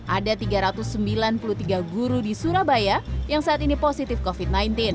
ada tiga ratus sembilan puluh tiga guru di surabaya yang saat ini positif covid sembilan belas